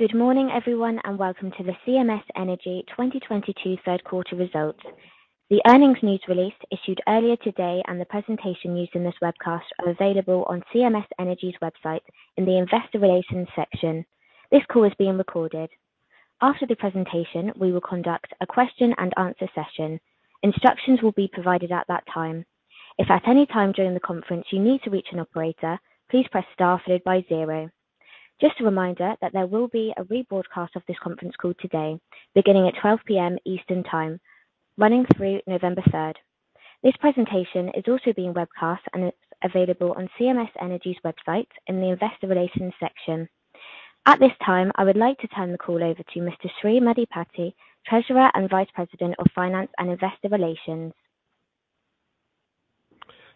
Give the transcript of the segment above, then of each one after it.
Good morning everyone, and welcome to the CMS Energy 2022 third quarter results. The earnings news release issued earlier today and the presentation used in this webcast are available on CMS Energy's website in the Investor Relations section. This call is being recorded. After the presentation, we will conduct a question-and-answer session. Instructions will be provided at that time. If at any time during the conference you need to reach an operator, please press Star followed by zero. Just a reminder that there will be a rebroadcast of this conference call today, beginning at 12:00 P.M. Eastern Time, running through November, 3. This presentation is also being webcast, and it's available on CMS Energy's website in the Investor Relations section. At this time, I would like to turn the call over to Mr. Sri Maddipati, Treasurer and Vice President of Finance and Investor Relations.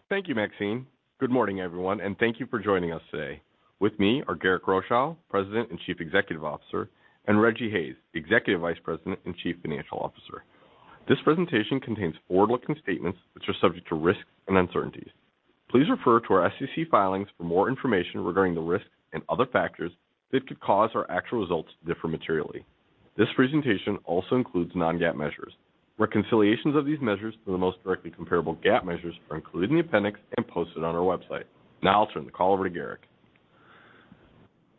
Thank you, Maxine. Good morning, everyone, and thank you for joining us today. With me are Garrick Rochow, President and Chief Executive Officer, and Rejji Hayes, Executive Vice President and Chief Financial Officer. This presentation contains forward-looking statements which are subject to risks and uncertainties. Please refer to our SEC filings for more information regarding the risks and other factors that could cause our actual results to differ materially. This presentation also includes non-GAAP measures. Reconciliations of these measures to the most directly comparable GAAP measures are included in the appendix and posted on our website. Now I'll turn the call over to Garrick.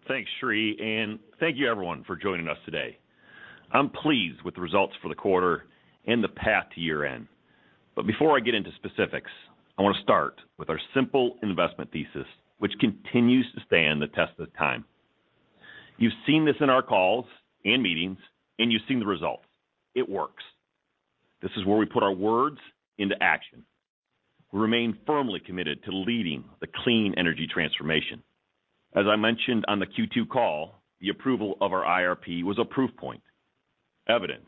Thanks, Sri, and thank you everyone for joining us today. I'm pleased with the results for the quarter and the path to year-end. Before I get into specifics, I want to start with our simple investment thesis, which continues to stand the test of time. You've seen this in our calls and meetings, and you've seen the results. It works. This is where we put our words into action. We remain firmly committed to leading the clean energy transformation. As I mentioned on the Q2 call, the approval of our IRP was a proof point, evidence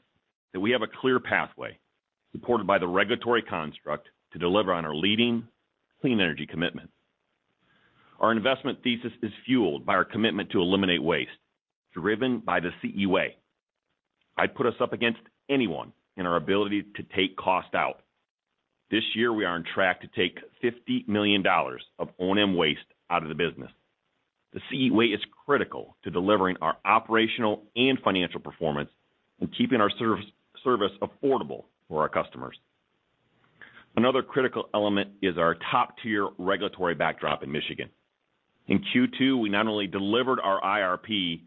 that we have a clear pathway supported by the regulatory construct to deliver on our leading clean energy commitment. Our investment thesis is fueled by our commitment to eliminate waste, driven by the CEW. I'd put us up against anyone in our ability to take cost out. This year we are on track to take $50 million of O&M waste out of the business. The CEW is critical to delivering our operational and financial performance and keeping our service affordable for our customers. Another critical element is our top-tier regulatory backdrop in Michigan. In Q2, we not only delivered our IRP,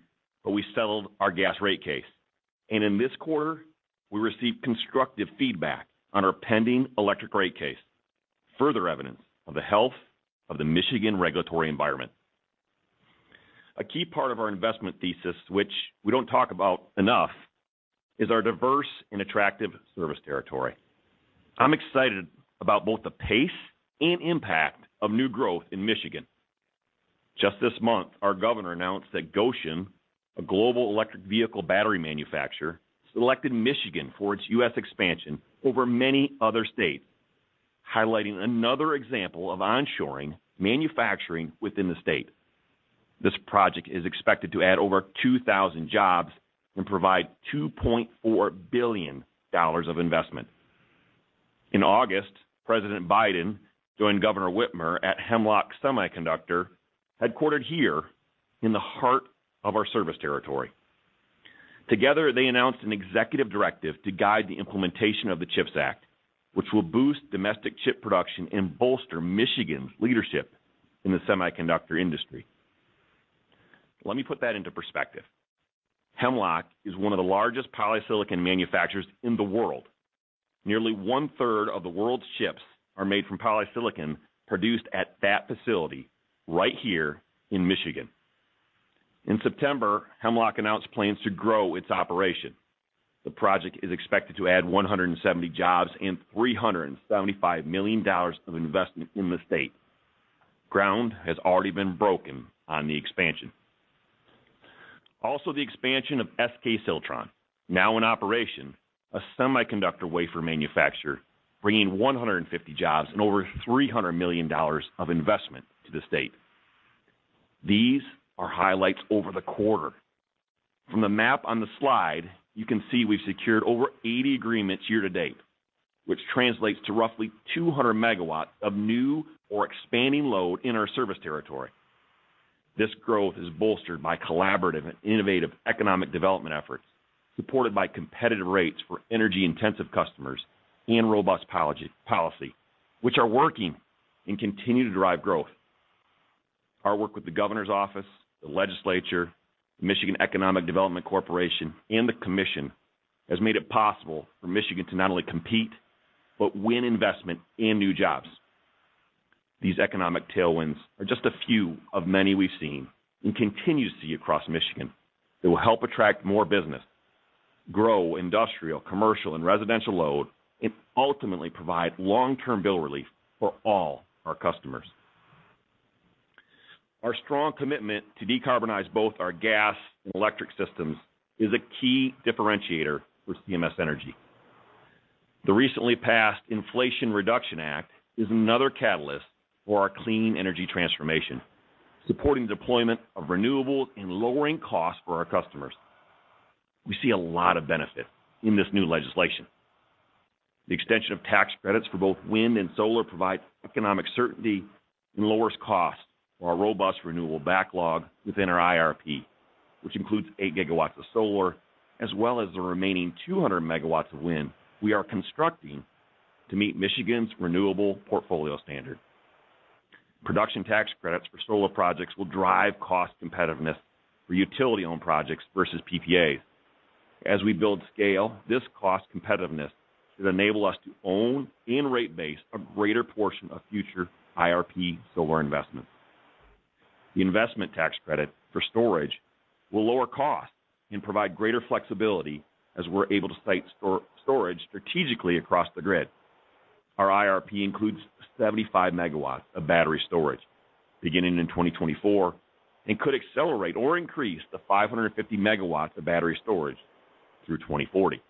but we settled our gas rate case. In this quarter, we received constructive feedback on our pending electric rate case, further evidence of the health of the Michigan regulatory environment. A key part of our investment thesis, which we don't talk about enough, is our diverse and attractive service territory. I'm excited about both the pace and impact of new growth in Michigan. Just this month, our governor announced that Gotion, a global electric vehicle battery manufacturer, selected Michigan for its U.S. expansion over many other states, highlighting another example of onshoring manufacturing within the state. This project is expected to add over 2,000 jobs and provide $2.4 billion of investment. In August, President Biden joined Governor Whitmer at Hemlock Semiconductor, headquartered here in the heart of our service territory. Together, they announced an executive directive to guide the implementation of the CHIPS Act, which will boost domestic chip production and bolster Michigan's leadership in the semiconductor industry. Let me put that into perspective. Hemlock is one of the largest polysilicon manufacturers in the world. Nearly 1/3 of the world's chips are made from polysilicon produced at that facility right here in Michigan. In September, Hemlock announced plans to grow its operation. The project is expected to add 170 jobs and $375 million of investment in the state. Ground has already been broken on the expansion. Also, the expansion of SK Siltron, now in operation, a semiconductor wafer manufacturer, bringing 150 jobs and over $300 million of investment to the state. These are highlights over the quarter. From the map on the slide, you can see we've secured over 80 agreements year to date, which translates to roughly 200 MW of new or expanding load in our service territory. This growth is bolstered by collaborative and innovative economic development efforts, supported by competitive rates for energy-intensive customers and robust policy, which are working and continue to drive growth. Our work with the governor's office, the legislature, the Michigan Economic Development Corporation, and the commission has made it possible for Michigan to not only compete but win investment in new jobs. These economic tailwinds are just a few of many we've seen and continue to see across Michigan that will help attract more business, grow industrial, commercial and residential load, and ultimately provide long-term bill relief for all our customers. Our strong commitment to decarbonize both our gas and electric systems is a key differentiator for CMS Energy. The recently passed Inflation Reduction Act is another catalyst for our clean energy transformation, supporting deployment of renewables and lowering costs for our customers. We see a lot of benefit in this new legislation. The extension of tax credits for both wind and solar provides economic certainty and lowers costs for our robust renewable backlog within our IRP, which includes 8 GW of solar, as well as the remaining 200 MW of wind we are constructing to meet Michigan's renewable portfolio standard. Production tax credits for solar projects will drive cost competitiveness for utility-owned projects versus PPAs. As we build scale, this cost competitiveness should enable us to own and rate base a greater portion of future IRP solar investments. The investment tax credit for storage will lower costs and provide greater flexibility as we're able to site storage strategically across the grid. Our IRP includes 75 MW of battery storage beginning in 2024, and could accelerate or increase the 550 MW of battery storage through 2040.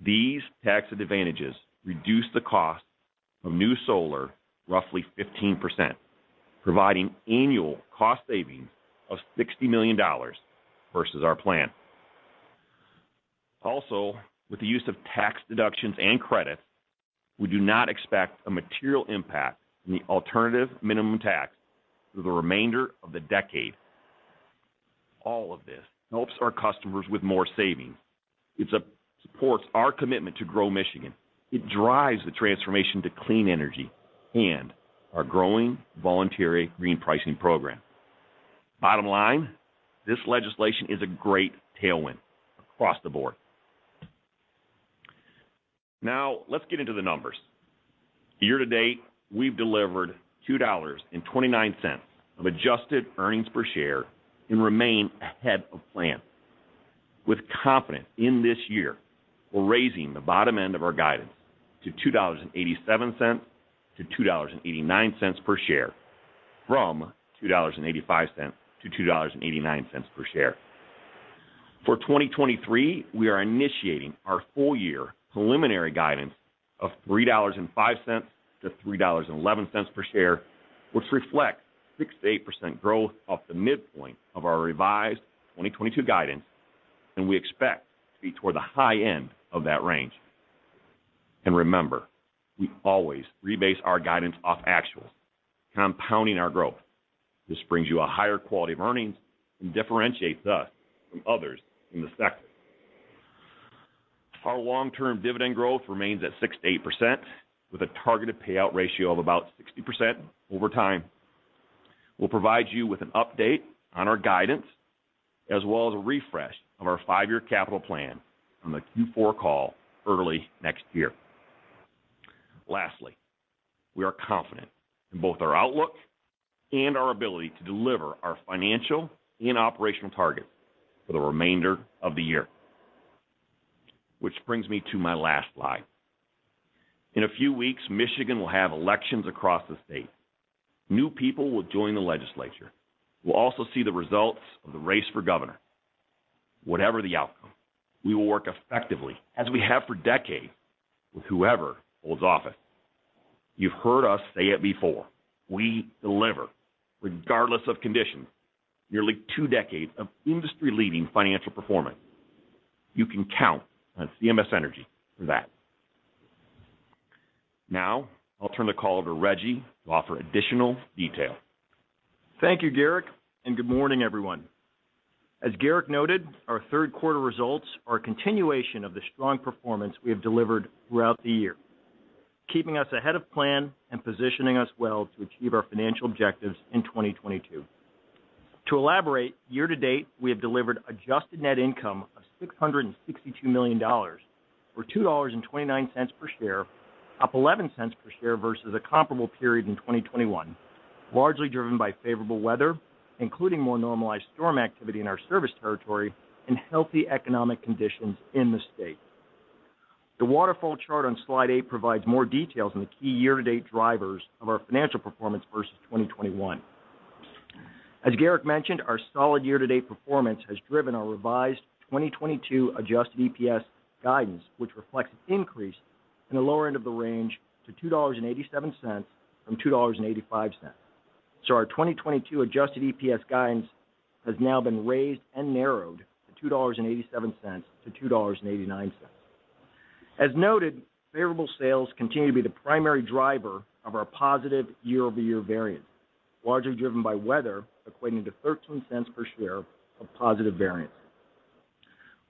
These tax advantages reduce the cost of new solar roughly 15%, providing annual cost savings of $60 million versus our plan. Also, with the use of tax deductions and credits, we do not expect a material impact in the alternative minimum tax through the remainder of the decade. All of this helps our customers with more savings. It supports our commitment to grow Michigan. It drives the transformation to clean energy and our growing voluntary green pricing program. Bottom line, this legislation is a great tailwind across the board. Now, let's get into the numbers. Year to date, we've delivered $2.29 of adjusted earnings per share and remain ahead of plan. With confidence in this year, we're raising the bottom end of our guidance to $2.87-$2.89 per share from $2.85-$2.89 per share. For 2023, we are initiating our full-year preliminary guidance of $3.05-$3.11 per share, which reflects 6%-8% growth off the midpoint of our revised 2022 guidance, and we expect to be toward the high end of that range. Remember, we always rebase our guidance off actuals, compounding our growth. This brings you a higher quality of earnings and differentiates us from others in the sector. Our long-term dividend growth remains at 6%-8% with a targeted payout ratio of about 60% over time. We'll provide you with an update on our guidance as well as a refresh of our 5 years capital plan on the Q4 call early next year. Lastly, we are confident in both our outlook and our ability to deliver our financial and operational targets for the remainder of the year. Which brings me to my last slide. In a few weeks, Michigan will have elections across the state. New people will join the legislature. We'll also see the results of the race for governor. Whatever the outcome, we will work effectively, as we have for decades, with whoever holds office. You've heard us say it before, we deliver regardless of conditions. Nearly 2 decades of industry-leading financial performance. You can count on CMS Energy for that. Now, I'll turn the call over to Rejji Hayes to offer additional detail. Thank you, Garrick, and good morning, everyone. As Garrick noted, our third quarter results are a continuation of the strong performance we have delivered throughout the year, keeping us ahead of plan and positioning us well to achieve our financial objectives in 2022. To elaborate, year to date, we have delivered adjusted net income of $662 million, or $2.29 per share, up 11 cents per share versus a comparable period in 2021, largely driven by favorable weather, including more normalized storm activity in our service territory and healthy economic conditions in the state. The waterfall chart on slide 8 provides more details on the key year-to-date drivers of our financial performance versus 2021. As Garrick mentioned, our solid year-to-date performance has driven our revised 2022 adjusted EPS guidance, which reflects an increase in the lower end of the range to $2.87 from $2.85. Our 2022 adjusted EPS guidance has now been raised and narrowed to $2.87-$2.89. As noted, favorable sales continue to be the primary driver of our positive year-over-year variance, largely driven by weather equating to $0.13 per share of positive variance.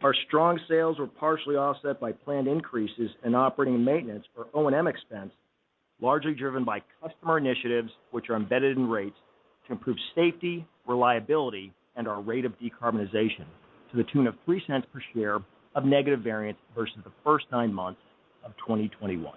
Our strong sales were partially offset by planned increases in operating and maintenance for O&M expense, largely driven by customer initiatives which are embedded in rates to improve safety, reliability, and our rate of decarbonization to the tune of $0.03 per share of negative variance versus the first 9 months of 2021.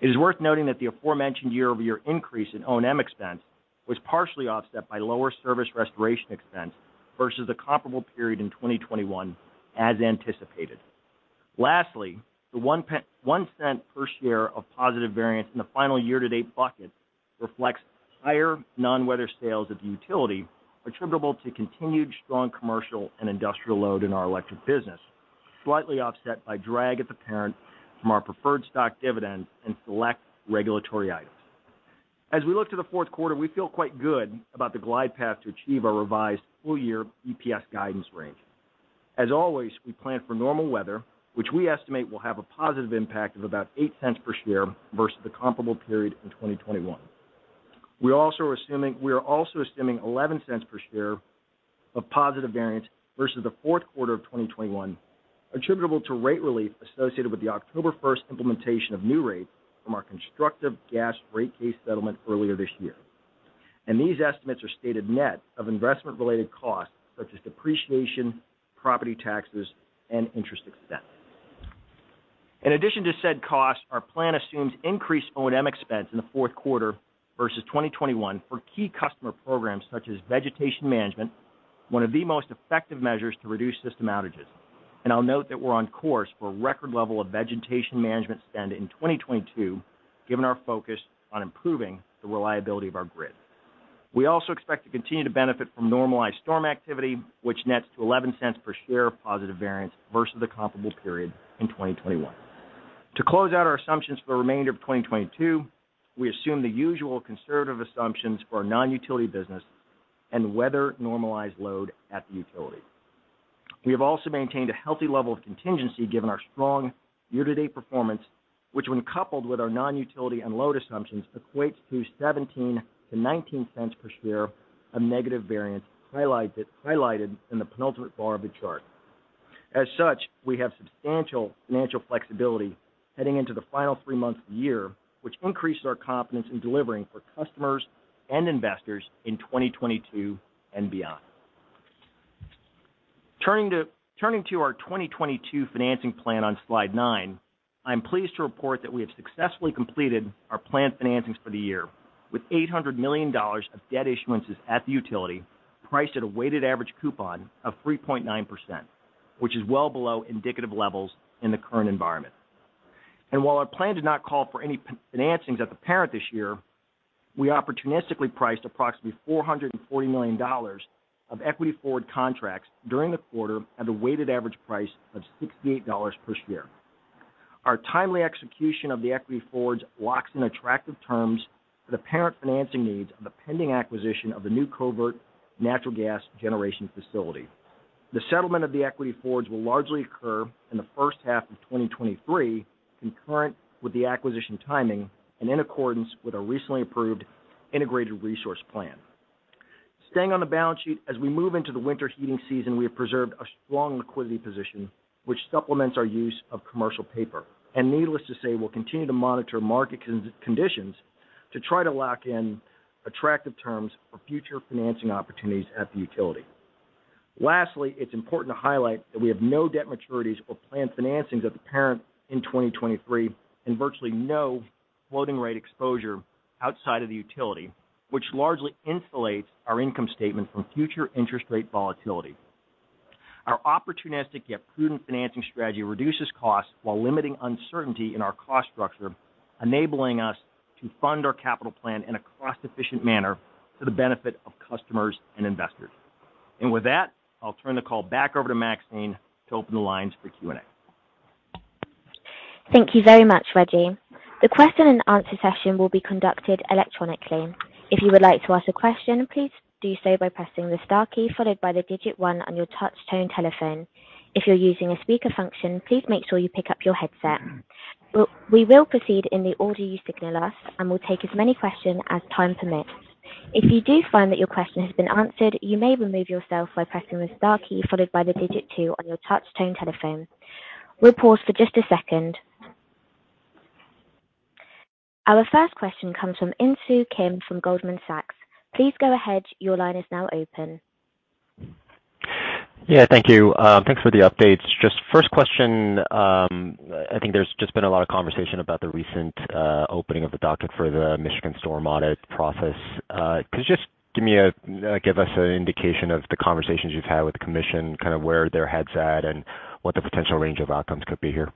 It is worth noting that the aforementioned year-over-year increase in O&M expense was partially offset by lower service restoration expense versus the comparable period in 2021 as anticipated. Lastly, the 1 cent per share of positive variance in the final year-to-date bucket reflects higher non-weather sales at the utility attributable to continued strong commercial and industrial load in our electric business, slightly offset by drag at the parent from our preferred stock dividend and select regulatory items. As we look to the fourth quarter, we feel quite good about the glide path to achieve our revised full-year EPS guidance range. As always, we plan for normal weather, which we estimate will have a positive impact of about 8 cents per share versus the comparable period in 2021. We are also assuming $0.11 per share of positive variance versus the fourth quarter of 2021, attributable to rate relief associated with the October 1 implementation of new rates from our constructive gas rate case settlement earlier this year. These estimates are stated net of investment-related costs such as depreciation, property taxes, and interest expense. In addition to said costs, our plan assumes increased O&M expense in the fourth quarter versus 2021 for key customer programs such as vegetation management, one of the most effective measures to reduce system outages. I'll note that we're on course for a record level of vegetation management spend in 2022, given our focus on improving the reliability of our grid. We also expect to continue to benefit from normalized storm activity, which nets to $0.11 per share of positive variance versus the comparable period in 2021. To close out our assumptions for the remainder of 2022, we assume the usual conservative assumptions for our non-utility business and weather-normalized load at the utility. We have also maintained a healthy level of contingency given our strong year-to-date performance, which when coupled with our non-utility and load assumptions, equates to $0.17-$0.19 per share of negative variance highlighted in the penultimate bar of the chart. As such, we have substantial financial flexibility heading into the final 3 months of the year, which increases our confidence in delivering for customers and investors in 2022 and beyond. Turning to our 2022 financing plan on slide 9, I'm pleased to report that we have successfully completed our planned financings for the year with $800 million of debt issuances at the utility, priced at a weighted average coupon of 3.9%, which is well below indicative levels in the current environment. While our plan did not call for any financings at the parent this year, we opportunistically priced approximately $440 million of equity forward contracts during the quarter at a weighted average price of $68 per share. Our timely execution of the equity forwards locks in attractive terms for the parent financing needs of the pending acquisition of the new Covert natural gas generation facility. The settlement of the equity forwards will largely occur in the first half of 2023, concurrent with the acquisition timing and in accordance with our recently approved integrated resource plan. Staying on the balance sheet, as we move into the winter heating season, we have preserved a strong liquidity position, which supplements our use of commercial paper. Needless to say, we'll continue to monitor market conditions to try to lock in attractive terms for future financing opportunities at the utility. Lastly, it's important to highlight that we have no debt maturities or planned financings at the parent in 2023 and virtually no floating rate exposure outside of the utility, which largely insulates our income statement from future interest rate volatility. Our opportunistic yet prudent financing strategy reduces costs while limiting uncertainty in our cost structure, enabling us to fund our capital plan in a cost-efficient manner for the benefit of customers and investors. With that, I'll turn the call back over to Maxine to open the lines for Q&A. Thank you very much, Reggie. The question and answer session will be conducted electronically. If you would like to ask a question, please do so by pressing the star key followed by the digit one on your touch tone telephone. If you're using a speaker function, please make sure you pick up your handset. We will proceed in the order you signal us, and we'll take as many questions as time permits. If you do find that your question has been answered, you may remove yourself by pressing the star key followed by the digit 2 on your touch tone telephone. We'll pause for just a second. Our first question comes from Insoo Kim from Goldman Sachs. Please go ahead. Your line is now open. Yeah. Thank you. Thanks for the updates. Just first question, I think there's just been a lot of conversation about the recent opening of the docket for the Michigan storm audit process. Could you just give us an indication of the conversations you've had with the commission, kind of where their head's at and what the potential range of outcomes could be here?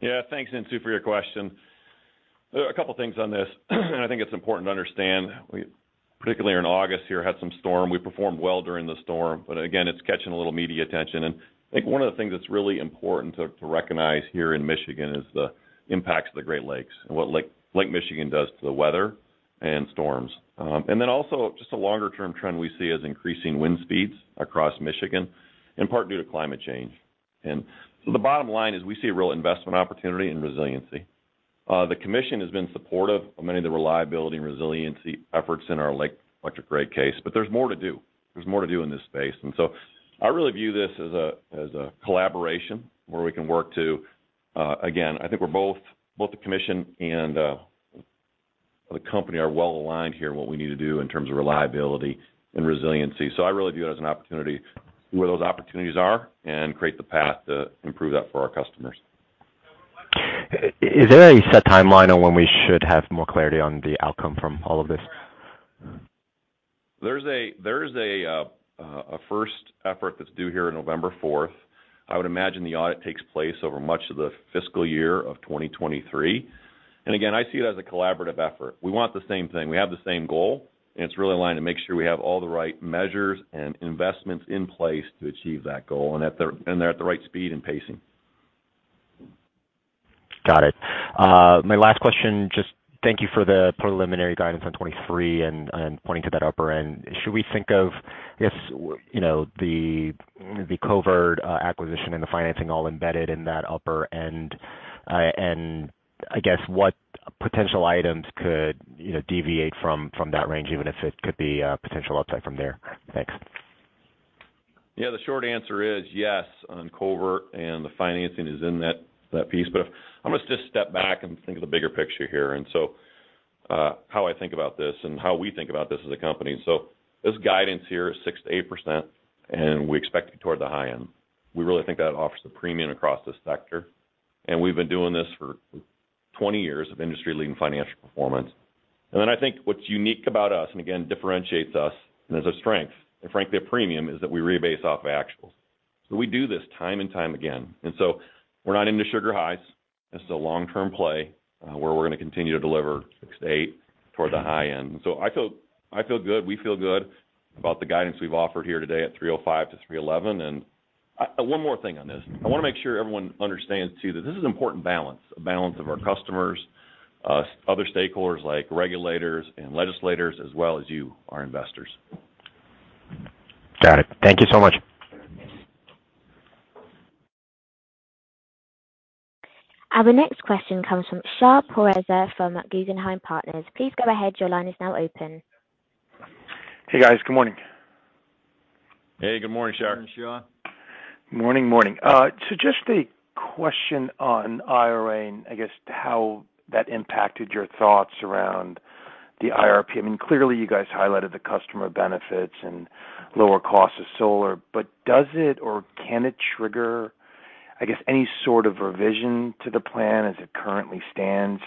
Yeah. Thanks, Insoo, for your question. A couple of things on this, and I think it's important to understand, we particularly in August here, had some storm. We performed well during the storm. Again, it's catching a little media attention. I think one of the things that's really important to recognize here in Michigan is the impacts of the Great Lakes and what Lake Michigan does to the weather and storms, and then also just a longer-term trend we see is increasing wind speeds across Michigan, in part due to climate change. The bottom line is we see a real investment opportunity in resiliency. The commission has been supportive of many of the reliability and resiliency efforts in our latest electric rate case. There's more to do. There's more to do in this space. I really view this as a collaboration where we can work to again, I think we're both the commission and the company are well aligned here in what we need to do in terms of reliability and resiliency. I really view it as an opportunity where those opportunities are and create the path to improve that for our customers. Is there a set timeline on when we should have more clarity on the outcome from all of this? There's a first effort that's due here on November, 4. I would imagine the audit takes place over much of the fiscal year of 2023. Again, I see it as a collaborative effort. We want the same thing, we have the same goal, and it's really aligned to make sure we have all the right measures and investments in place to achieve that goal, and that they're at the right speed and pacing. Got it. My last question, just thank you for the preliminary guidance on 2023 and pointing to that upper end. Should we think of, you know, the Cover acquisition and the financing all embedded in that upper end, and I guess what potential items could, you know, deviate from that range, even if it could be potential upside from there? Thanks. Yeah. The short answer is yes on Covert and the financing is in that piece. But I'm gonna just step back and think of the bigger picture here. How I think about this and how we think about this as a company. This guidance here is 6%-8%, and we expect it toward the high end. We really think that offers the premium across this sector, and we've been doing this for 20 years of industry-leading financial performance. I think what's unique about us, and again, differentiates us and is a strength, and frankly, a premium, is that we rebase off actuals. We do this time and time again. We're not into sugar highs. This is a long-term play, where we're gonna continue to deliver 6%-8% toward the high end. I feel good, we feel good about the guidance we've offered here today at 305-311. One more thing on this. I wanna make sure everyone understands too that this is an important balance of our customers, us, other stakeholders like regulators and legislators, as well as you, our investors. Got it. Thank you so much. Our next question comes from Shar Pourreza from Guggenheim Partners. Please go ahead. Your line is now open. Hey, guys. Good morning. Hey, good morning, Shar. Morning, Shar. Morning. Just a question on IRA and I guess how that impacted your thoughts around the IRP. I mean, clearly you guys highlighted the customer benefits and lower cost of solar, but does it or can it trigger, I guess, any sort of revision to the plan as it currently stands?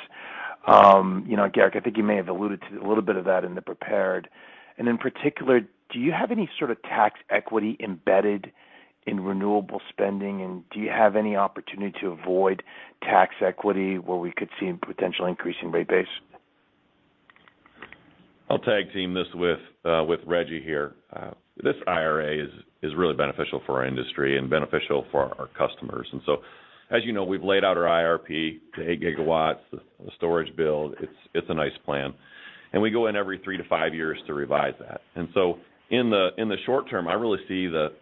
You know, Garrick, I think you may have alluded to a little bit of that in the prepared. In particular, do you have any sort of tax equity embedded in renewable spending, and do you have any opportunity to avoid tax equity where we could see potential increase in rate base? I'll tag team this with Reggie here. This IRA is really beneficial for our industry and beneficial for our customers. As you know, we've laid out our IRP to 8 GW, the storage build. It's a nice plan. We go in every 3 to 5 years to revise that. In the short term, I really see the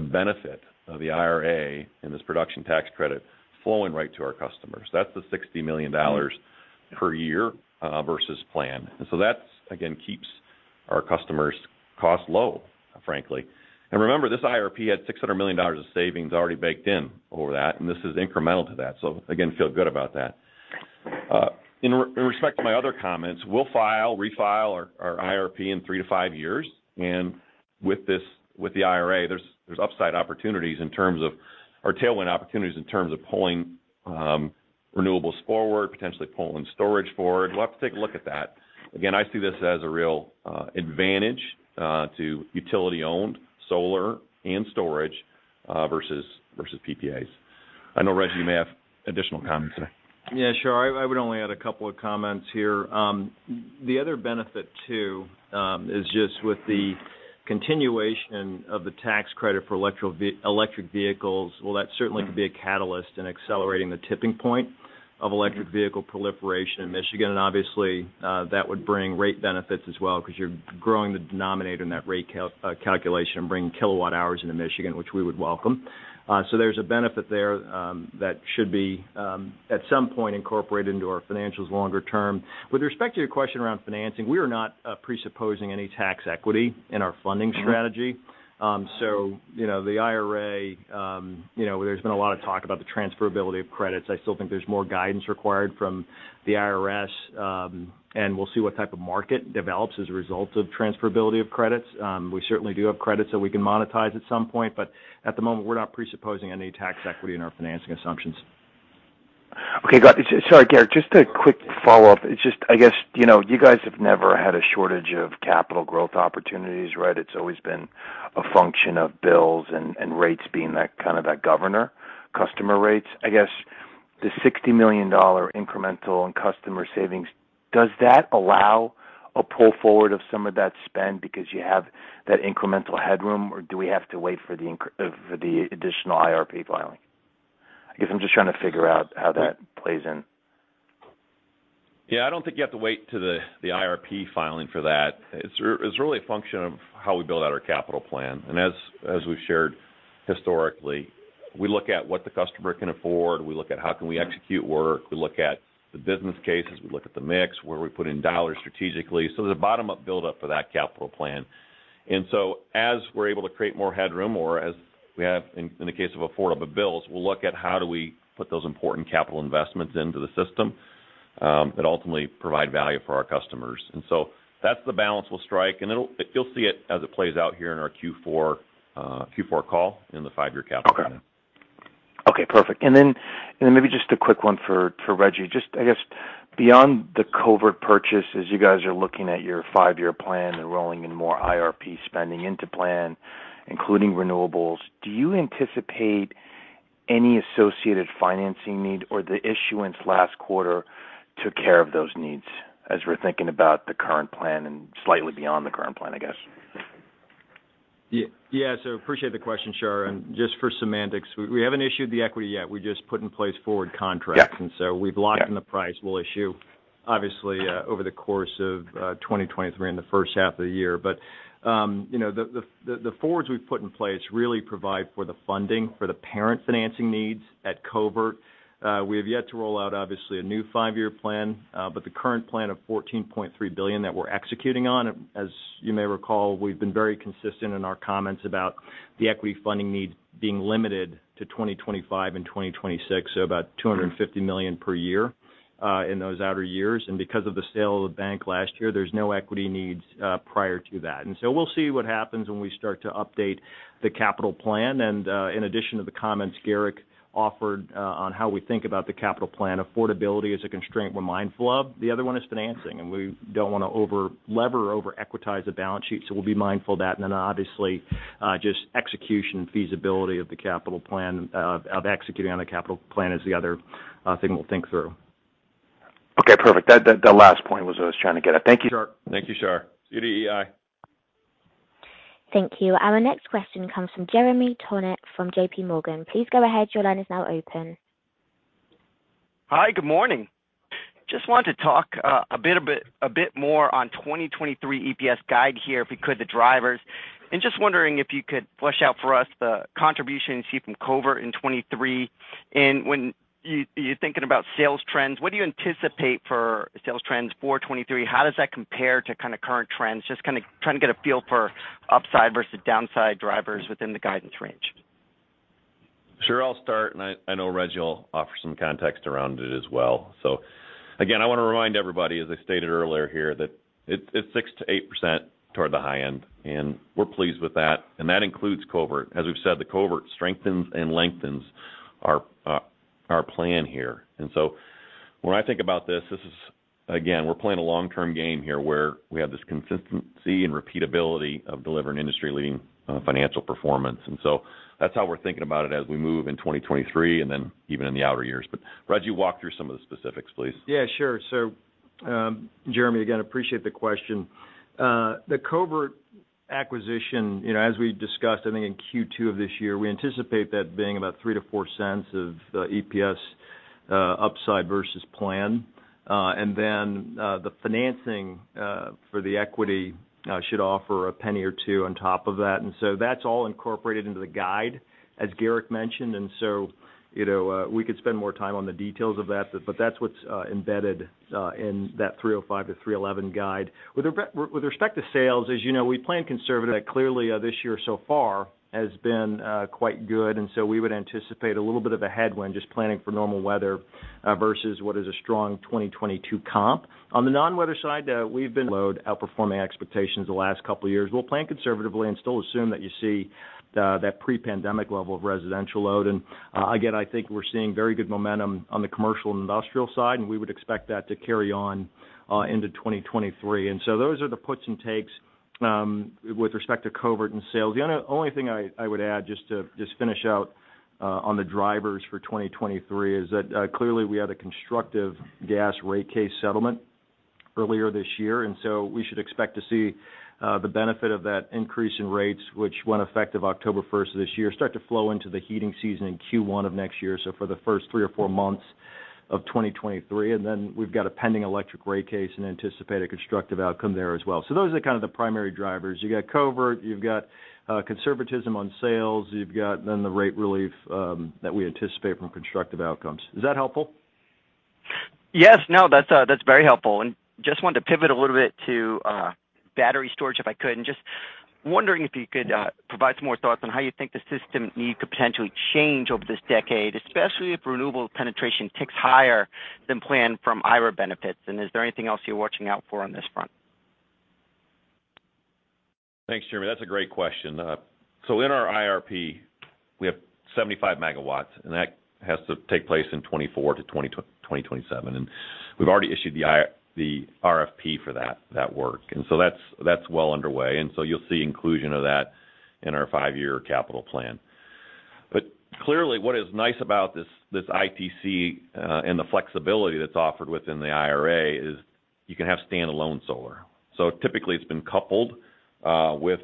benefit of the IRA and this production tax credit flowing right to our customers. That's the $60 million per year versus plan. That, again, keeps our customers' costs low, frankly. Remember, this IRP had $600 million of savings already baked in over that, and this is incremental to that. Again, feel good about that. In respect to my other comments, we'll refile our IRP in 3-5 years. With this, with the IRA, there's upside opportunities in terms of or tailwind opportunities in terms of pulling renewables forward, potentially pulling storage forward. We'll have to take a look at that. Again, I see this as a real advantage to utility-owned solar and storage versus PPAs. I know, Reggie, you may have additional comments there. Yeah, sure. I would only add a couple of comments here. The other benefit too is just with the continuation of the tax credit for electric vehicles. Well, that certainly could be a catalyst in accelerating the tipping point of electric vehicle proliferation in Michigan. Obviously, that would bring rate benefits as well because you're growing the denominator in that rate calculation and bringing kilowatt hours into Michigan, which we would welcome. There's a benefit there that should be at some point incorporated into our financials longer term. With respect to your question around financing, we are not presupposing any tax equity in our funding strategy. You know, the IRA, you know, there's been a lot of talk about the transferability of credits. I still think there's more guidance required from the IRS, and we'll see what type of market develops as a result of transferability of credits. We certainly do have credits that we can monetize at some point, but at the moment, we're not presupposing any tax equity in our financing assumptions. Okay. Got it. Sorry, Garrick, just a quick follow-up. It's just, I guess, you know, you guys have never had a shortage of capital growth opportunities, right? It's always been a function of bills and rates being that kind of that governor, customer rates. I guess the $60 million incremental in customer savings, does that allow a pull forward of some of that spend because you have that incremental headroom, or do we have to wait for the additional IRP filing? I guess I'm just trying to figure out how that plays in. Yeah, I don't think you have to wait till the IRP filing for that. It's really a function of how we build out our capital plan. As we've shared historically, we look at what the customer can afford. We look at how can we execute work. We look at the business cases. We look at the mix, where we put in dollars strategically. There's a bottom-up build up for that capital plan. As we're able to create more headroom or as we have in the case of affordable bills, we'll look at how do we put those important capital investments into the system that ultimately provide value for our customers. That's the balance we'll strike, and it'll, you'll see it as it plays out here in our Q4 call in the 5 years capital plan. Okay. Okay, perfect. Maybe just a quick one for Reggie. Just I guess beyond the Covert purchase, as you guys are looking at your 5 year plan and rolling in more IRP spending into plan, including renewables, do you anticipate any associated financing need, or the issuance last quarter took care of those needs as we're thinking about the current plan and slightly beyond the current plan, I guess? Yeah, appreciate the question, Shar. Just for semantics, we haven't issued the equity yet. We just put in place forward contracts. Yeah, yeah. We've locked in the price we'll issue obviously over the course of 2023 in the first half of the year. You know, the forwards we've put in place really provide for the funding for the parent financing needs at Covert. We have yet to roll out, obviously, a new 5 year plan, but the current plan of $14.3 billion that we're executing on, as you may recall, we've been very consistent in our comments about the equity funding needs being limited to 2025 and 2026, so about $250 million per year in those outer years. Because of the sale of the bank last year, there's no equity needs prior to that. We'll see what happens when we start to update the capital plan. In addition to the comments Garrick offered on how we think about the capital plan, affordability is a constraint we're mindful of. The other one is financing, and we don't wanna over-lever or over-equitize the balance sheet, so we'll be mindful of that. Obviously, just execution and feasibility of executing on the capital plan is the other thing we'll think through. Okay, perfect. That last point was what I was trying to get at. Thank you. Sure. Thank you, Shar. Judy Ei. Thank you. Our next question comes from Jeremy Tonet from JPMorgan. Please go ahead. Your line is now open. Hi, good morning. Just wanted to talk a bit more on 2023 EPS guide here, if we could, the drivers. Just wondering if you could flesh out for us the contributions you see from Covert in 2023. When you're thinking about sales trends, what do you anticipate for sales trends for 2023? How does that compare to kinda current trends? Just kinda trying to get a feel for upside versus downside drivers within the guidance range. Sure. I'll start, and I know Reg will offer some context around it as well. Again, I wanna remind everybody, as I stated earlier here, that it's 6%-8% toward the high end, and we're pleased with that. That includes Covert. As we've said, the Covert strengthens and lengthens our plan here. When I think about this is, again, we're playing a long-term game here, where we have this consistency and repeatability of delivering industry-leading financial performance. That's how we're thinking about it as we move in 2023 and then even in the outer years. Reg, you walk through some of the specifics, please. Yeah, sure. Jeremy, again, appreciate the question. The Covert acquisition, you know, as we discussed, I think in Q2 of this year, we anticipate that being about $0.03-$0.04 of EPS upside versus plan. Then, the financing for the equity should offer $0.01 or $0.02 on top of that. That's all incorporated into the guide, as Garrick mentioned. You know, we could spend more time on the details of that, but that's what's embedded in that $3.05-$3.11 guide. With respect to sales, as you know, we plan conservative. Clearly, this year so far has been quite good, and so we would anticipate a little bit of a headwind just planning for normal weather versus what is a strong 2022 comp. On the non-weather side, we've been load growth outperforming expectations the last couple years. We'll plan conservatively and still assume that you see the pre-pandemic level of residential load. Again, I think we're seeing very good momentum on the commercial and industrial side, and we would expect that to carry on into 2023. Those are the puts and takes with respect to COVID and sales. The only thing I would add, just to finish out on the drivers for 2023, is that clearly we had a constructive gas rate case settlement earlier this year, and so we should expect to see the benefit of that increase in rates, which went effective October first of this year, start to flow into the heating season in Q1 of next year, so for the first 3 or 4 months of 2023. We've got a pending electric rate case and anticipate a constructive outcome there as well. Those are kind of the primary drivers. You've got Covert, you've got conservatism on sales. You've got then the rate relief that we anticipate from constructive outcomes. Is that helpful? Yes. No, that's very helpful. Just wanted to pivot a little bit to battery storage, if I could. Just wondering if you could provide some more thoughts on how you think the system need could potentially change over this decade, especially if renewable penetration ticks higher than planned from IRA benefits. Is there anything else you're watching out for on this front? Thanks, Jeremy. That's a great question. In our IRP, we have 75 megawatts, and that has to take place in 2024 to 2027. We've already issued the RFP for that work, and that's well underway. You'll see inclusion of that in our 5 years capital plan. Clearly, what is nice about this ITC and the flexibility that's offered within the IRA is you can have standalone solar. Typically, it's been coupled with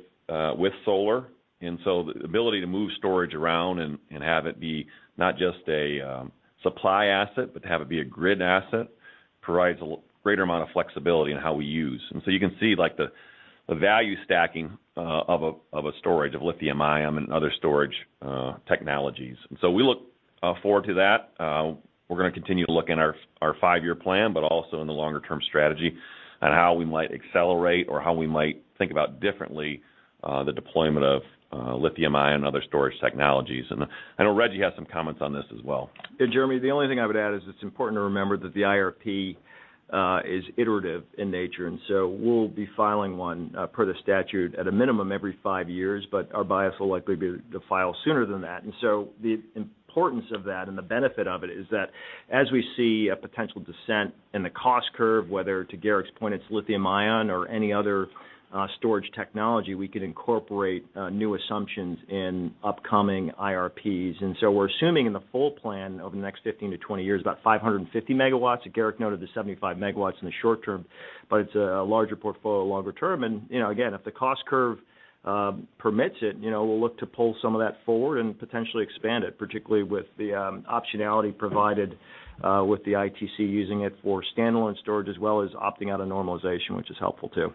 solar. The ability to move storage around and have it be not just a supply asset, but to have it be a grid asset, provides greater amount of flexibility in how we use. You can see, like, the value stacking of a storage of lithium ion and other storage technologies. We look forward to that. We're gonna continue to look in our 5 year plan, but also in the longer term strategy on how we might accelerate or how we might think about differently the deployment of lithium ion and other storage technologies. I know Rejji has some comments on this as well. Yeah, Jeremy, the only thing I would add is it's important to remember that the IRP is iterative in nature, and so we'll be filing 1 per the statute at a minimum every 5 years, but our bias will likely be to file sooner than that. The importance of that and the benefit of it is that as we see a potential descent in the cost curve, whether to Garrick's point it's lithium ion or any other storage technology, we can incorporate new assumptions in upcoming IRPs. We're assuming in the full plan over the next 15-20 years, about 550 megawatts, as Garrick noted, the 75 megawatts in the short term, but it's a larger portfolio longer term. You know, again, if the cost curve permits it, you know, we'll look to pull some of that forward and potentially expand it, particularly with the optionality provided with the ITC using it for standalone storage, as well as opting out of normalization, which is helpful too.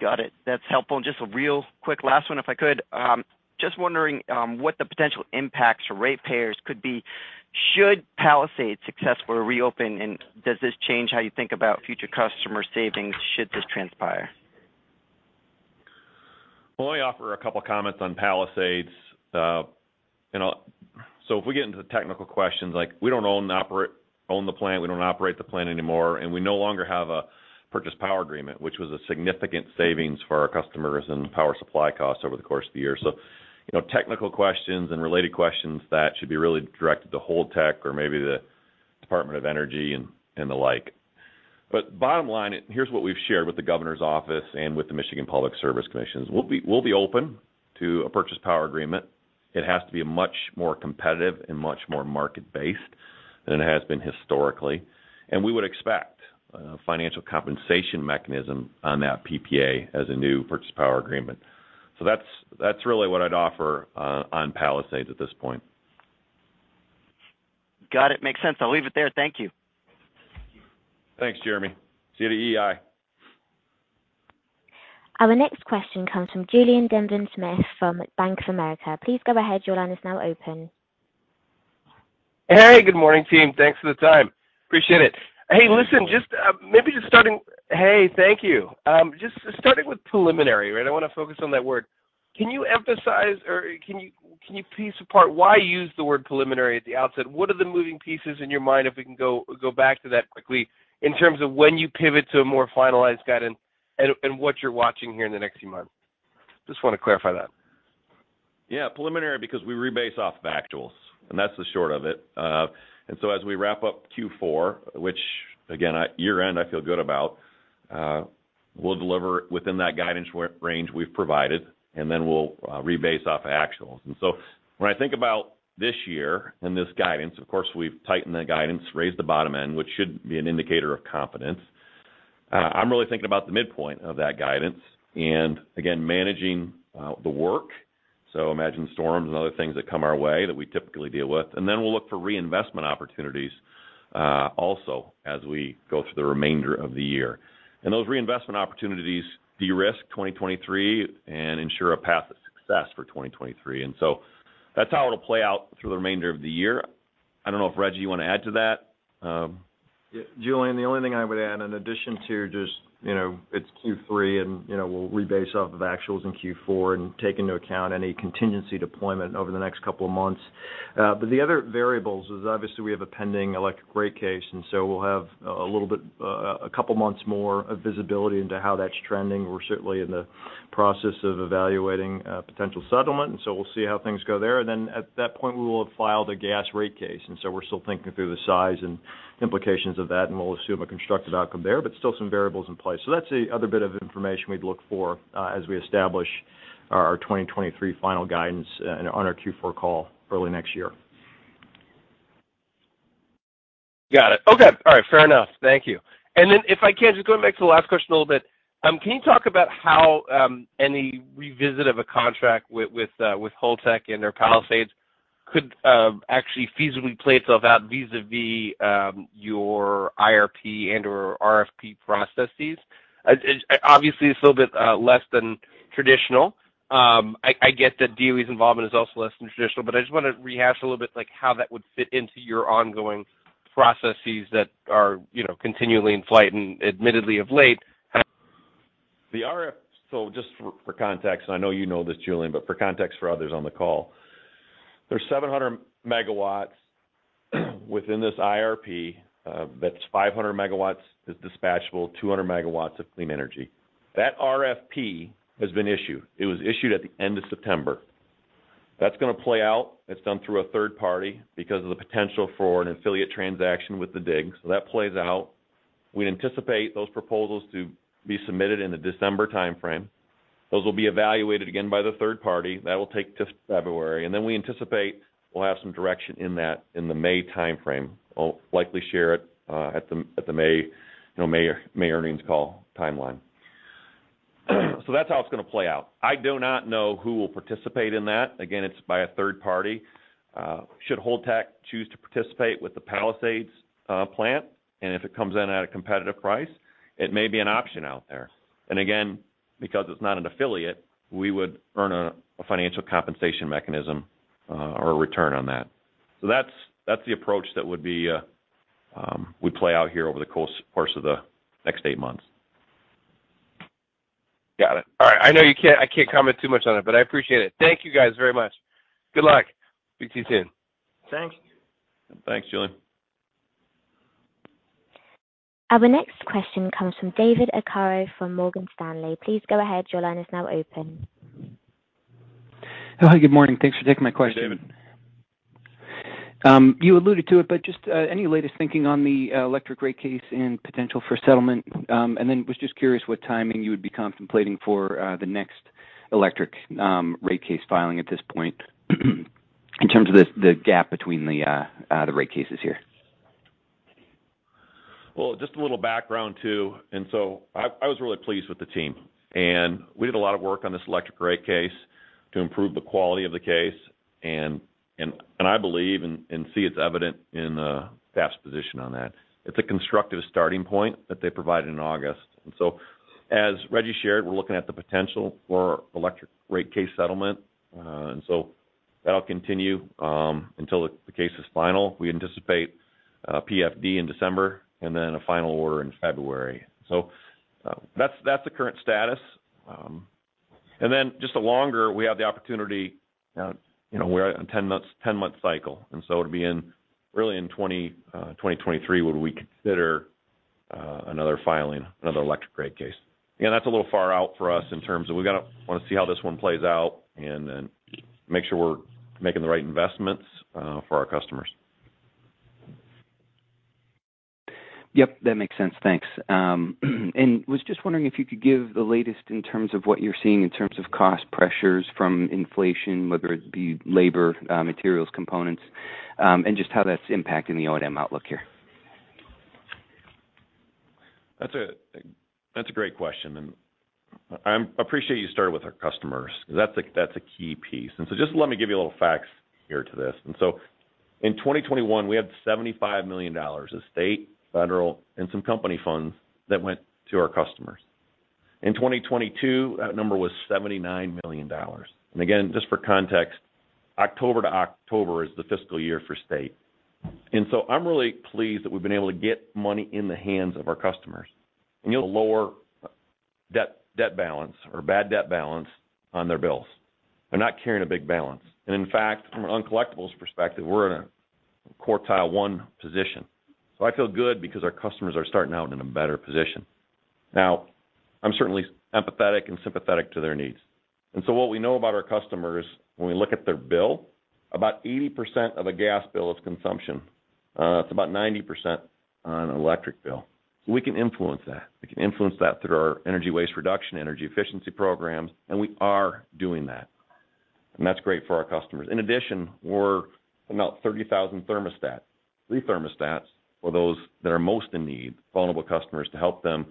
Got it. That's helpful. Just a real quick last one, if I could. Just wondering what the potential impacts for ratepayers could be should Palisades successfully reopen, and does this change how you think about future customer savings should this transpire? Well, let me offer a couple of comments on Palisades. You know, if we get into the technical questions like we don't own the plant, we don't operate the plant anymore, and we no longer have a power purchase agreement, which was a significant savings for our customers and power supply costs over the course of the year. You know, technical questions and related questions that should be really directed to Holtec or maybe the Department of Energy and the like. Bottom line, here's what we've shared with the governor's office and with the Michigan Public Service Commission. We'll be open to a power purchase agreement. It has to be much more competitive and much more market-based than it has been historically. We would expect a financial compensation mechanism on that PPA as a new power purchase agreement. That's really what I'd offer on Palisades at this point. Got it. Makes sense. I'll leave it there. Thank you. Thanks, Jeremy. See you at EEI. Our next question comes from Julien Dumoulin-Smith from Bank of America. Please go ahead. Your line is now open. Hey, good morning, team. Thanks for the time. Appreciate it. Hey, listen, just starting with preliminary, right? I want to focus on that word. Can you emphasize or can you piece apart why you use the word preliminary at the outset? What are the moving pieces in your mind, if we can go back to that quickly in terms of when you pivot to a more finalized guidance and what you're watching here in the next few months? Just want to clarify that. Yeah. Preliminary because we rebase off actuals, and that's the short of it. As we wrap up Q4, which again, at year-end, I feel good about, we'll deliver within that guidance range we've provided, and then we'll rebase off actuals. When I think about this year and this guidance, of course, we've tightened the guidance, raised the bottom end, which should be an indicator of confidence. I'm really thinking about the midpoint of that guidance and again, managing the work. Imagine storms and other things that come our way that we typically deal with. Then we'll look for reinvestment opportunities, also as we go through the remainder of the year. Those reinvestment opportunities de-risk 2023 and ensure a path of success for 2023. That's how it'll play out through the remainder of the year. I don't know if, Rejji, you want to add to that? Yeah. Julien, the only thing I would add in addition to just, you know, it's Q3, and, you know, we'll rebase off of actuals in Q4 and take into account any contingency deployment over the next couple of months. The other variables is obviously we have a pending electric rate case, and so we'll have a little bit, a couple months more of visibility into how that's trending. We're certainly in the process of evaluating a potential settlement, and so we'll see how things go there. At that point, we will have filed a gas rate case. We're still thinking through the size and implications of that, and we'll assume a constructive outcome there, but still some variables in play. That's the other bit of information we'd look for, as we establish our 2023 final guidance, and on our Q4 call early next year. Got it. Okay. All right, fair enough. Thank you. Then if I can, just going back to the last question a little bit. Can you talk about how any revisit of a contract with Holtec and/or Palisades could actually feasibly play itself out vis-à-vis your IRP and/or RFP processes? Obviously, it's a little bit less than traditional. I get that DOE's involvement is also less than traditional, but I just want to rehash a little bit like how that would fit into your ongoing processes that are, you know, continually in flight and admittedly of late. Just for context, and I know you know this, Julian, but for context for others on the call. There's 700 megawatts within this IRP, that's 500 megawatts is dispatchable, 200 megawatts of clean energy. That RFP has been issued. It was issued at the end of September. That's going to play out. It's done through a third party because of the potential for an affiliate transaction with DIG. That plays out. We anticipate those proposals to be submitted in the December timeframe. Those will be evaluated again by the third party. That will take till February. We anticipate we'll have some direction in that in the May timeframe. I'll likely share it at the May, you know, May earnings call timeline. That's how it's going to play out. I do not know who will participate in that. Again, it's by a third party. Should Holtec choose to participate with the Palisades plant, and if it comes in at a competitive price, it may be an option out there. Again, because it's not an affiliate, we would earn a financial compensation mechanism, or a return on that. That's the approach that would play out here over the course of the next 8 months. Got it. All right. I know I can't comment too much on it, but I appreciate it. Thank you guys very much. Good luck. Speak to you soon. Thanks. Thanks, Julien. Our next question comes from David Arcaro from Morgan Stanley. Please go ahead. Your line is now open. Hi. Good morning. Thanks for taking my question. Hey, David. You alluded to it, but just any latest thinking on the electric rate case and potential for settlement. Was just curious what timing you would be contemplating for the next electric rate case filing at this point in terms of the gap between the rate cases here. Well, just a little background, too. I was really pleased with the team, and we did a lot of work on this electric rate case to improve the quality of the case. I believe and see it's evident in the staff position on that. It's a constructive starting point that they provided in August. As Rejji shared, we're looking at the potential for electric rate case settlement. That'll continue until the case is final. We anticipate PFD in December and then a final order in February. That's the current status. Just the longer we have the opportunity, you know, we're at a ten-month cycle, and it'll be really in 2023 would we consider another filing, another electric rate case. Again, that's a little far out for us in terms of we're gonna wanna see how this one plays out and then make sure we're making the right investments for our customers. Yep, that makes sense. Thanks. Was just wondering if you could give the latest in terms of what you're seeing in terms of cost pressures from inflation, whether it be labor, materials, components, and just how that's impacting the O&M outlook here? That's a great question, and I appreciate you starting with our customers because that's a key piece. Just let me give you a little facts here to this. In 2021, we had $75 million of state, federal, and some company funds that went to our customers. In 2022, that number was $79 million. Again, just for context, October to October is the fiscal year for state. I'm really pleased that we've been able to get money in the hands of our customers, and you'll lower debt balance or bad debt balance on their bills. They're not carrying a big balance. In fact, from an uncollectibles perspective, we're in a quartile 1 position. I feel good because our customers are starting out in a better position. Now, I'm certainly empathetic and sympathetic to their needs. What we know about our customers, when we look at their bill, about 80% of a gas bill is consumption. It's about 90% on an electric bill. We can influence that. We can influence that through our energy waste reduction, energy efficiency programs, and we are doing that. That's great for our customers. In addition, we're about 30,000 thermostat-free thermostats for those that are most in need, vulnerable customers to help them,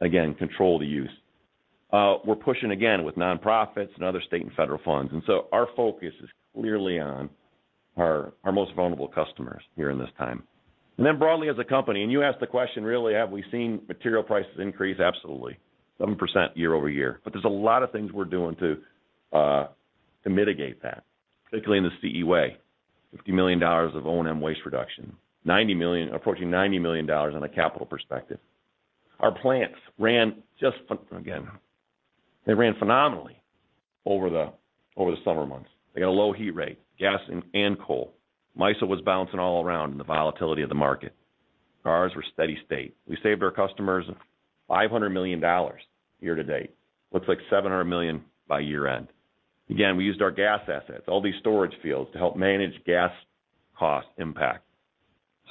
again, control the use. We're pushing again with nonprofits and other state and federal funds. Our focus is clearly on our most vulnerable customers here in this time. Broadly as a company, and you asked the question, really, have we seen material prices increase? Absolutely. 7% year-over-year. There's a lot of things we're doing to mitigate that, particularly in the CE Way. $50 million of O&M waste reduction, $90 million approaching $90 million on a capital perspective. Our plants ran phenomenally over the summer months. They got a low heat rate, gas and coal. MISO was bouncing all around in the volatility of the market. Ours were steady state. We saved our customers $500 million year to date. Looks like $700 million by year-end. Again, we used our gas assets, all these storage fields to help manage gas cost impact.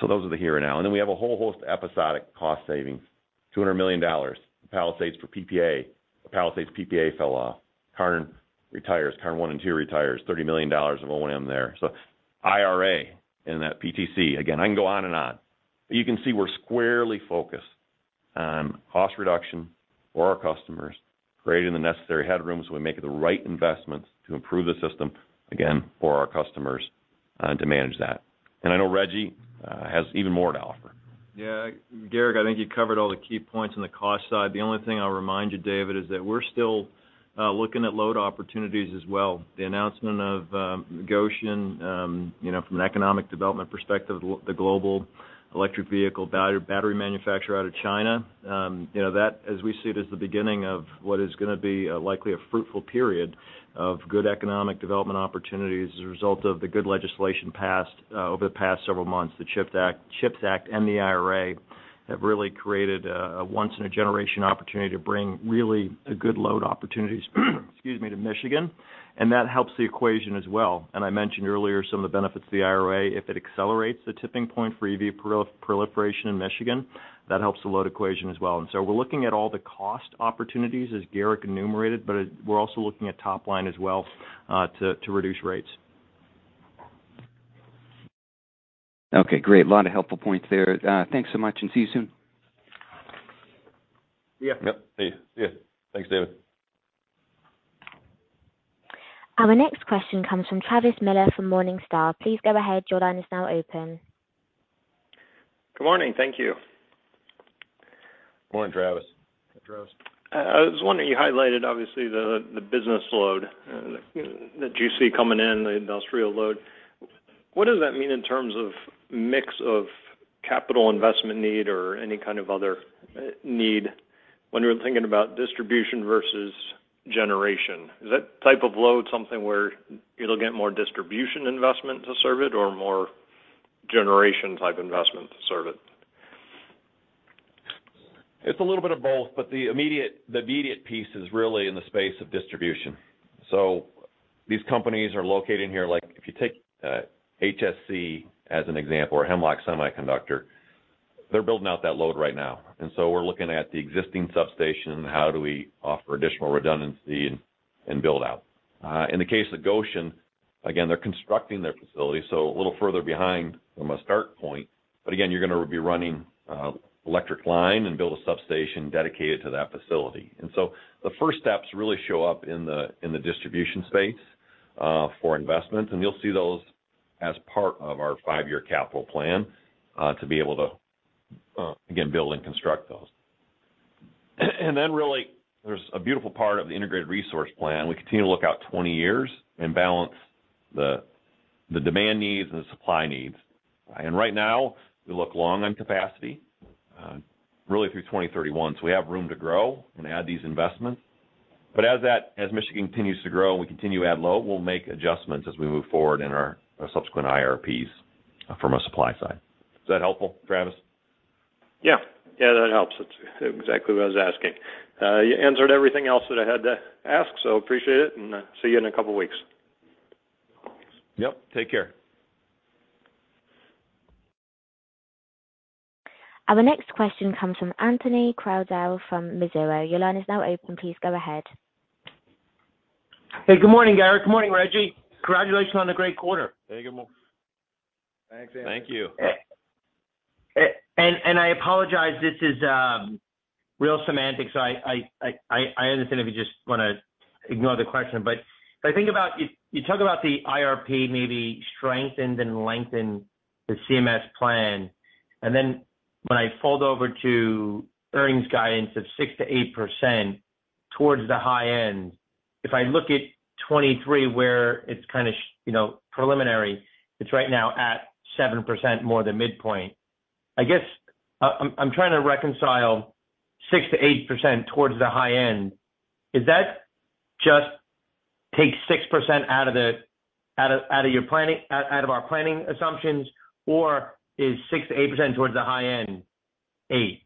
Those are the here and now. We have a whole host of episodic cost savings, $200 million. Palisades for PPA. The Palisades PPA fell off. Karn retires. Karn 1 and 2 retires. $30 million of O&M there. IRA in that PTC. Again, I can go on and on. You can see we're squarely focused on cost reduction for our customers, creating the necessary headroom, so we make the right investments to improve the system, again, for our customers, to manage that. I know Rejji Hayes has even more to offer. Yeah. Garrick, I think you covered all the key points on the cost side. The only thing I'll remind you, David, is that we're still looking at load opportunities as well. The announcement of Gotion, you know, from an economic development perspective, the global electric vehicle battery manufacturer out of China, you know, that as we see it, is the beginning of what is gonna be likely a fruitful period of good economic development opportunities as a result of the good legislation passed over the past several months. The CHIPS Act and the IRA have really created a once in a generation opportunity to bring really a good load opportunities, excuse me, to Michigan, and that helps the equation as well. I mentioned earlier some of the benefits of the IRA. If it accelerates the tipping point for EV proliferation in Michigan, that helps the load equation as well. We're looking at all the cost opportunities as Garrick enumerated, but we're also looking at top line as well, to reduce rates. Okay, great. A lot of helpful points there. Thanks so much and see you soon. See ya. Yep. See you. See you. Thanks, David. Our next question comes from Travis Miller from Morningstar. Please go ahead. Your line is now open. Good morning. Thank you. Good morning, Travis. Travis. I was wondering, you highlighted obviously the business load that you see coming in, the industrial load. What does that mean in terms of mix of capital investment need or any kind of other need when you're thinking about distribution versus generation? Is that type of load something where it'll get more distribution investment to serve it or more generation type investment to serve it? It's a little bit of both, but the immediate piece is really in the space of distribution. These companies are located in here, like if you take HSC as an example or Hemlock Semiconductor, they're building out that load right now. We're looking at the existing substation and how do we offer additional redundancy and build out. In the case of Gotion again, they're constructing their facility, so a little further behind from a start point. Again, you're gonna be running electric line and build a substation dedicated to that facility. The first steps really show up in the distribution space for investment, and you'll see those as part of our 5 years capital plan to be able to again build and construct those. Really there's a beautiful part of the integrated resource plan. We continue to look out 20 years and balance the demand needs and the supply needs. Right now, we look long on capacity, really through 2031. We have room to grow and add these investments. As Michigan continues to grow and we continue to add load, we'll make adjustments as we move forward in our subsequent IRPs from a supply side. Is that helpful, Travis? Yeah. Yeah, that helps. It's exactly what I was asking. You answered everything else that I had to ask, so appreciate it, and I'll see you in a couple of weeks. Yep. Take care. Our next question comes from Anthony Crowdell from Mizuho. Your line is now open. Please go ahead. Hey, good morning, Gary. Good morning, Reggie. Congratulations on the great quarter. Hey, good. Thanks, Anthony. Thank you. I apologize, this is real semantics. I understand if you just wanna ignore the question, but if I think about you talk about the IRP maybe strengthened and lengthened the CMS plan. Then when I fold over to earnings guidance of 6%-8% towards the high end, if I look at 2023, where it's kind of, you know, preliminary, it's right now at 7% more than midpoint. I guess I'm trying to reconcile 6%-8% towards the high end. Is that just take 6% out of our planning assumptions, or is 6%-8% towards the high end 8%?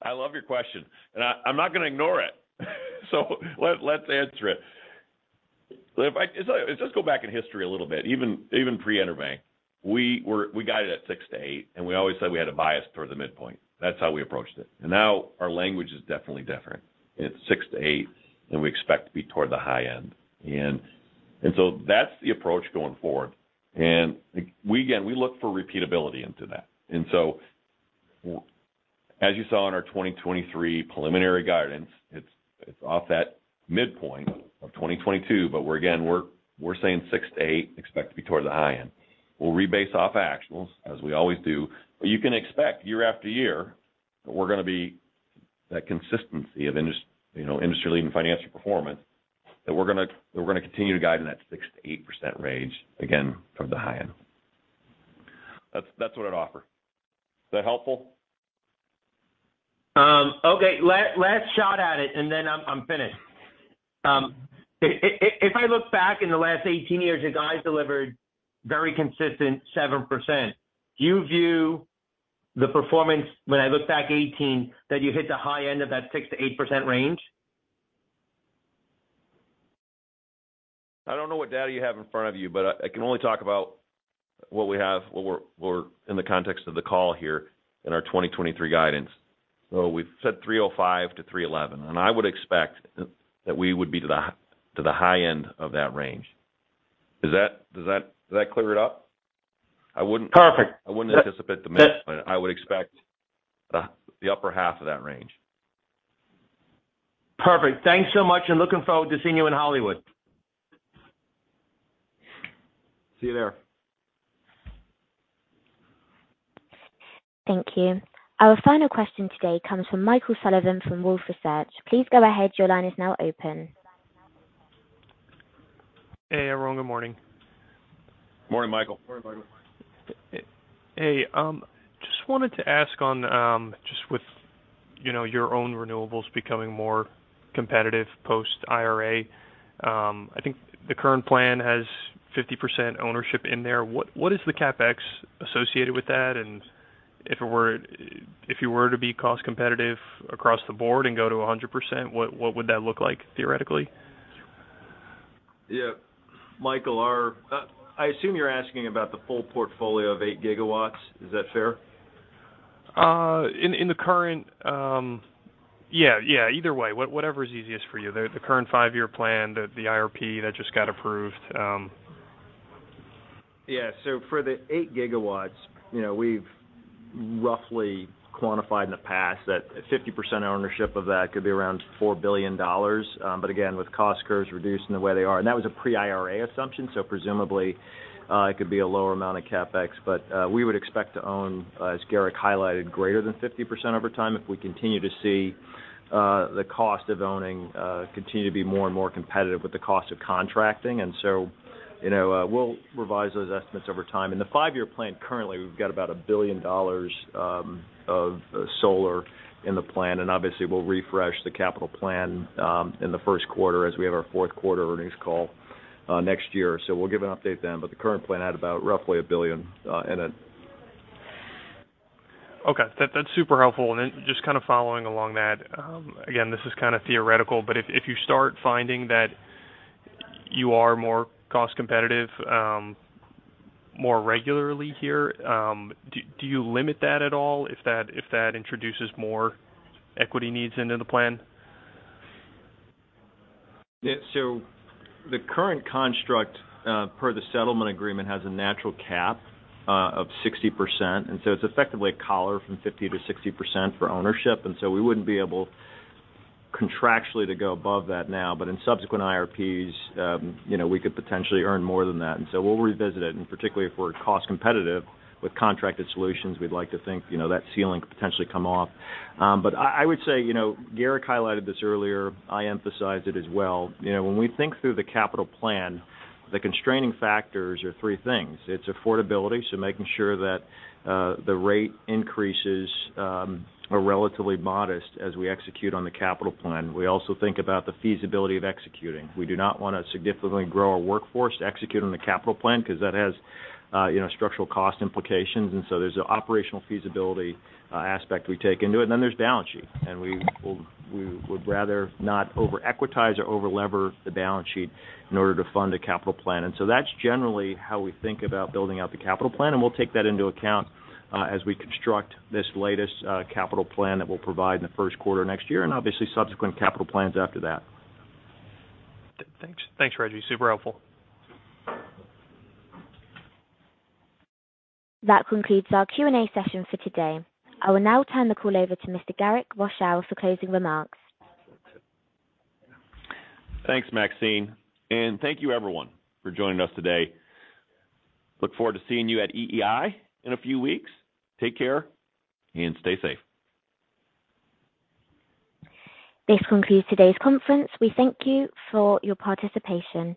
I love your question, and I'm not gonna ignore it. Let's answer it. Let's go back in history a little bit, even pre-Entergy. We guided at 6%-8%, and we always said we had a bias toward the midpoint. That's how we approached it. Now our language is definitely different. It's 6%-8%, and we expect to be toward the high end. That's the approach going forward. Again, we look for repeatability into that. As you saw in our 2023 preliminary guidance, it's off that midpoint of 2022, but we're again saying 6%-8%, expect to be toward the high end. We'll rebase off actuals as we always do, but you can expect year after year that we're gonna be that consistency of, you know, industry-leading financial performance, that we're gonna continue to guide in that 6%-8% range, again from the high end. That's what I'd offer. Is that helpful? Okay. Last shot at it, and then I'm finished. If I look back in the last 18 years, you guys delivered very consistent 7%. Do you view the performance when I look back 18, that you hit the high end of that 6%-8% range? I don't know what data you have in front of you, but I can only talk about what we have, what we're in the context of the call here in our 2023 guidance. We've said 305-311, and I would expect that we would be to the high end of that range. Does that clear it up? I wouldn't- Perfect. I wouldn't anticipate the midpoint. I would expect the upper half of that range. Perfect. Thanks so much, and looking forward to seeing you in Hollywood. See you there. Thank you. Our final question today comes from Michael Sullivan from Wolfe Research. Please go ahead. Your line is now open. Hey, everyone. Good morning. Morning, Michael. Morning, Michael. Hey, just wanted to ask on just with, you know, your own renewables becoming more competitive post IRA, I think the current plan has 50% ownership in there. What is the CapEx associated with that? And if you were to be cost competitive across the board and go to 100%, what would that look like theoretically? Yeah. Michael, I assume you're asking about the full portfolio of 8 GW. Is that fair? In the current either way. Whatever is easiest for you. The current 5 year plan, the IRP that just got approved. Yeah. For the 8 GW, you know, we've roughly quantified in the past that 50% ownership of that could be around $4 billion, but again, with cost curves reducing the way they are. That was a pre-IRA assumption, so presumably, it could be a lower amount of CapEx. We would expect to own, as Garrick highlighted, greater than 50% over time if we continue to see the cost of owning continue to be more and more competitive with the cost of contracting. You know, we'll revise those estimates over time. In the 5-year plan, currently, we've got about $1 billion of solar in the plan, and obviously, we'll refresh the capital plan in the first quarter as we have our fourth quarter earnings call next year. We'll give an update then, but the current plan had about roughly $1 billion in it. Okay. That's super helpful. Then just kind of following along that, again, this is kind of theoretical, but if you start finding that you are more cost competitive, more regularly here. Do you limit that at all if that introduces more equity needs into the plan? Yeah. The current construct per the settlement agreement has a natural cap of 60%. It's effectively a collar from 50%-60% for ownership. We wouldn't be able contractually to go above that now. In subsequent IRPs, you know, we could potentially earn more than that. We'll revisit it, and particularly if we're cost competitive with contracted solutions, we'd like to think, you know, that ceiling could potentially come off. I would say, you know, Garrick highlighted this earlier. I emphasize it as well, you know, when we think through the capital plan, the constraining factors are 3 things. It's affordability, so making sure that the rate increases are relatively modest as we execute on the capital plan. We also think about the feasibility of executing. We do not wanna significantly grow our workforce to execute on the capital plan because that has, you know, structural cost implications. There's an operational feasibility aspect we take into it. There's balance sheet, and we would rather not over equitize or over lever the balance sheet in order to fund a capital plan. That's generally how we think about building out the capital plan, and we'll take that into account as we construct this latest capital plan that we'll provide in the first quarter of next year and obviously subsequent capital plans after that. Thanks, Rejji. Super helpful. That concludes our Q&A session for today. I will now turn the call over to Mr. Garrick Rochow for closing remarks. Thanks, Maxine, and thank you everyone for joining us today. Look forward to seeing you at EEI in a few weeks. Take care and stay safe. This concludes today's conference. We thank you for your participation.